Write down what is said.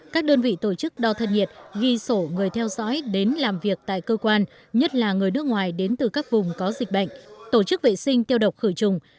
các đơn vị tổ chức đo thân nhiệt ghi sổ người theo dõi đến làm việc tại cơ quan nhất là người nước ngoài đến từ các vùng có dịch bệnh tổ chức vệ sinh tiêu độc khử trùng